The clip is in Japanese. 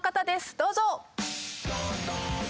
どうぞ！